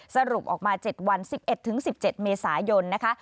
สรุปออกมา๗วัน๑๑๑๑๗เมษายนนะคะ